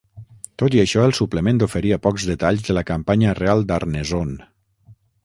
Tot i això, el suplement oferia pocs detalls de la campanya real d'Arneson.